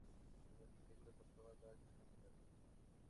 Con esta película saltó a la escena internacional.